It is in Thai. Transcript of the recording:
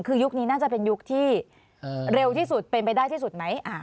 คือยุคนี้น่าจะเป็นยุคที่เร็วที่สุดเป็นไปได้ที่สุดไหม